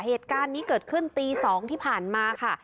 เหตุการณ์นี้เกิดขึ้นตี๒ที่ผ่านมาค่ะ